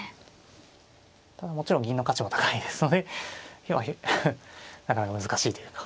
ただもちろん銀の価値も高いですのでだから難しいというか。